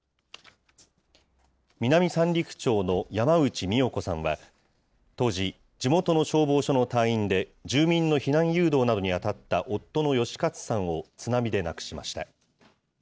南三陸町の山内美代子さんは、当時、地元の消防署の隊員で、住民の避難誘導などに当たった夫の吉勝さんを津波で亡くしました。